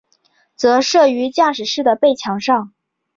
则设于驾驶室的背墙上。